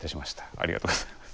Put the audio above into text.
ありがとうございます。